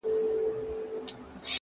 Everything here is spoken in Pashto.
ه ژوند به دي خراب سي داسي مه كــوه تـه؛